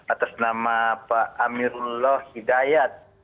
atas nama pak amirullah hidayat